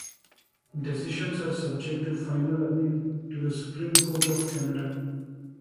Decisions are subject to final appeal to the Supreme Court of Canada.